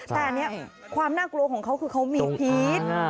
แต่ความให้กลัวของเขาคือเค้ามีพิษ